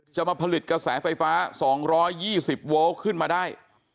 จะมาผลิตกระแสไฟฟ้า๒๒๐โวลต์ขึ้นมาได้